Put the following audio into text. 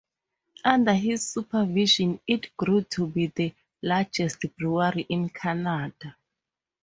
Under his supervision, it grew to be the largest brewery in Canada.